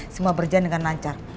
semua berjalan dengan lancar